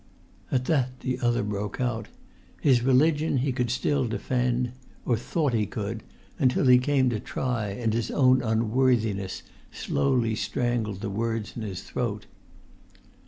[Pg 33]At that the other broke out; his religion he could still defend; or thought he could, until he came to try, and his own unworthiness slowly strangled the words in his throat.